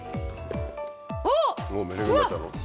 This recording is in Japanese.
あっうわっ！